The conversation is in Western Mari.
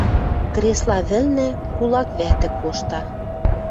Кресла вӹлнӹ кулак вӓтӹ кошта